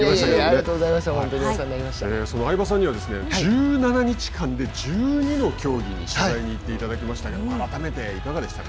その相葉さんには１７日間で１２の競技に取材に行っていただきましたが改めていかがでしたか。